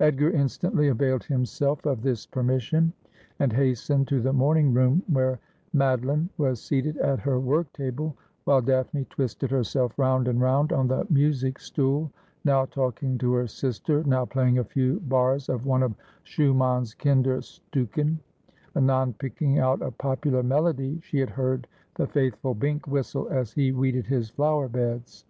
Edgar instantly availed himself of this permission, and has tened to the morning room, where Madoline was seated at her work table, while Daphne twisted herself round and round on the music stool, now talking to her sister, now playing a few bars of one of Schumann's ' Kindersiiicken,^ anon picking out a popular melody she had heard the faithful Bink whistle as he weeded his flower beds.